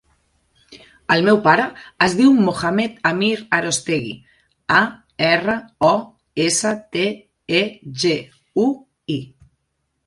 El meu pare es diu Mohamed amir Arostegui: a, erra, o, essa, te, e, ge, u, i.